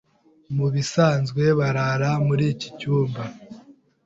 Mubisanzwe barara muri iki cyumba.